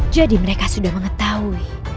jadi mereka sudah mengetahui